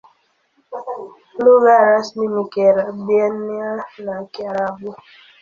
Lugha rasmi ni Kiebrania na Kiarabu.